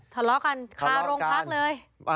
ทะเลาะกันคาโรงพักเลย